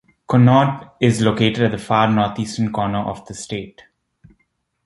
Conneaut is located at the far northeastern corner of the state.